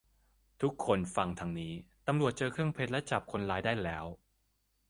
ทุกคนฟังทางนี้ ตำรวจเจอเครื่องเพชรและจับคนร้ายได้แล้ว